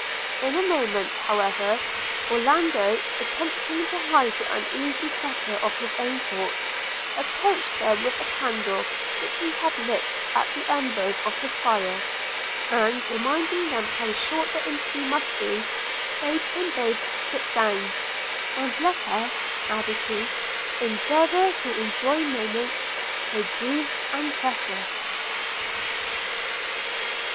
In a moment, however, Orlando, attempting to hide the uneasy flutter of his own thoughts, approached them with a candle which he had lit at the embers of his fire; and, reminding them how short their interview must be, bade them both sit down – 'and let us,' added he, 'endeavour to enjoy moments so brief and so precious.'